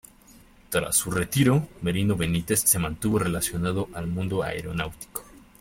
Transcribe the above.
Tras su retiro, Merino Benítez se mantuvo relacionado al mundo aeronáutico.